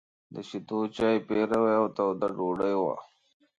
د شيدو چای، پيروی او توده ډوډۍ وه.